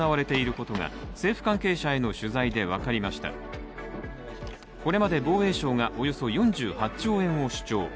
これまで防衛省がおよそ４８兆円を主張。